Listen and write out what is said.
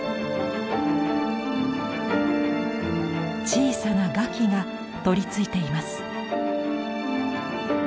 小さな餓鬼が取りついています。